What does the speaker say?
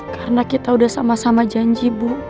karena kita udah sama sama janji bu